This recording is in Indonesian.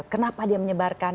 kenapa dia menyebarkan